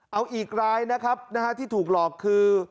เอาอีกรายนะครับที่ถูกหลอกคือ